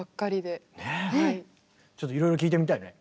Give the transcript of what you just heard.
ちょっといろいろ聞いてみたいね。